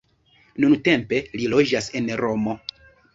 Nuntempe li loĝas en Romo.